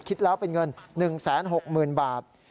คิดแล้วเป็นเงิน๑แสน๖หมื่นบาท